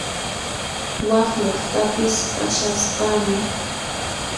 Wak llaqtapis kashasqani